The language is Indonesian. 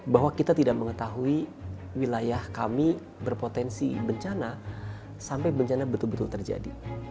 bahwa kita tidak mengetahui wilayah kami berpotensi bencana sampai bencana betul betul terjadi